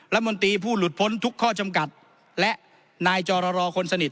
รัฐมนตรีผู้หลุดพ้นทุกข้อจำกัดและนายจรรคนสนิท